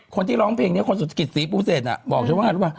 คนที่ร้องเพลงเนี้ยคนกิศศรีปุ้งเศสอ่ะบอกฉันว่าอะไรวะ